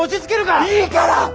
いいから！